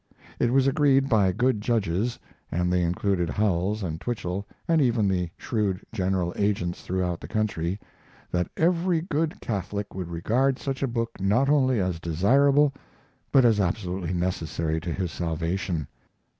It was agreed by good judges and they included Howells and Twichell and even the shrewd general agents throughout the country that every good Catholic would regard such a book not only as desirable, but as absolutely necessary to his salvation.